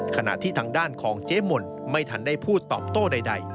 ขณะที่ทางด้านของเจ๊มนไม่ทันได้พูดตอบโต้ใด